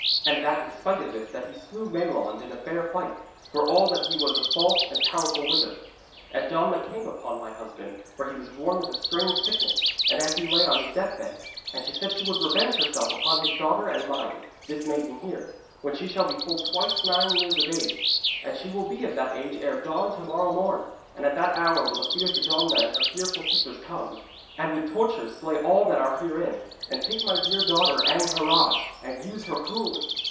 And that in spite of this, that he slew Maelond in fair fight, for all that he was a false and powerful wizard. And Domna came to my husband, when he was worn with a strange sickness, and as he lay on his deathbed. And she said she should revenge herself upon his daughter and mine, this maiden here, when she shall be full twice nine years of age. And she will be of that age ere dawn to morrow morn, and at the hour will the fierce Domna and her fearful sisters come, and with tortures slay all that are herein, and take my dear daughter Angharad, and use her cruelly.'